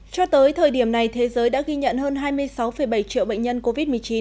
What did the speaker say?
cho tới thời điểm này thế giới đã ghi nhận hơn hai mươi sáu bảy triệu bệnh nhân covid một mươi chín